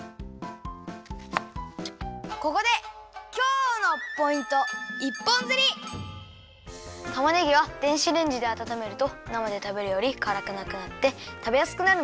ここでたまねぎは電子レンジであたためるとなまでたべるよりからくなくなってたべやすくなるんだよ。